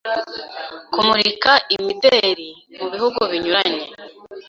kumurika imideri mu bihugu binyuranye